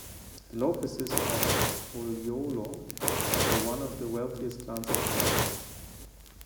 The Lopezes of Iloilo were one of the wealthiest clans in the Philippines.